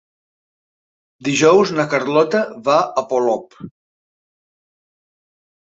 Dijous na Carlota va a Polop.